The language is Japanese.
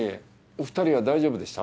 お二人は大丈夫でした？